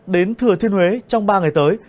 đến thừa thiên huế trong ba ngày tới